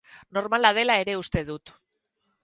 Normala dela ere uste dut.